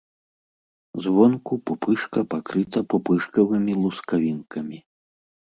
Звонку пупышка пакрыта пупышкавымі лускавінкамі.